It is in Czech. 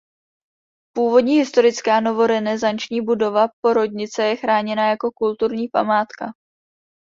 Původní historická novorenesanční budova porodnice je chráněna jako kulturní památka.